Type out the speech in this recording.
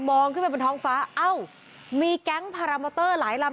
ขึ้นไปบนท้องฟ้าเอ้ามีแก๊งพารามอเตอร์หลายลำ